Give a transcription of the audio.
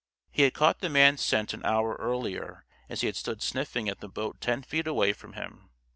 He had caught the man's scent an hour earlier, as he had stood sniffing at the boat ten feet away from him.